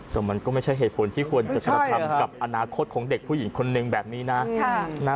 แต่มันก็ไม่ใช่เหตุผลที่ควรจะกระทำกับอนาคตของเด็กผู้หญิงคนนึงแบบนี้นะ